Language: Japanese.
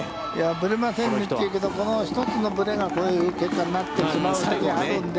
ぶれませんねということは、この一つのぶれがこういう結果になってしまうことがあるので。